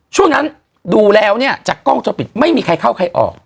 ช่วงนั้นดูแล้วเนี่ยจากกล้องจะปิดไม่มีใครเข้าใครออก